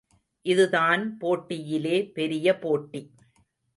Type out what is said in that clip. இதுதான் போட்டியிலே பெரிய போட்டி.